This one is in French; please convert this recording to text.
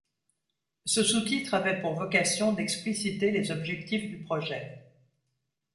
Ce sous-titre avait pour vocation d'expliciter les objectifs du projet.